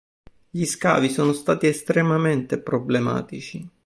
Gli scavi sono stati estremamente problematici.